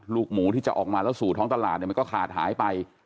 ลูกหมูที่จะออกมาแล้วสู่ท้องตลาดมันก็ขาดหายไป